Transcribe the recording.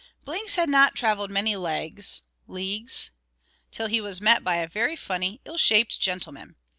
_ Blinks had not travelled many legs (leagues?) till he was met by a very funny little ill shaped gentleman.